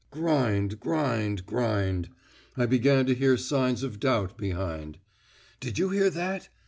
Grind, grind, grind. I began to hear signs of doubt behind. 'Did you hear that?